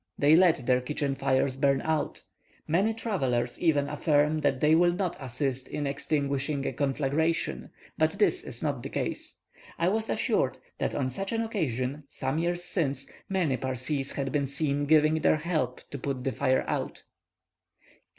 They let their kitchen fires burn out. Many travellers even affirm that they will not assist in extinguishing a conflagration; but this is not the case. I was assured that on such an occasion, some years since, many Parsees had been seen giving their help to put the fire out.